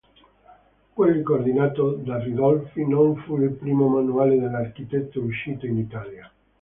Quelli coordinato da Ridolfi non fu il primo manuale dell'architetto uscito in Italia.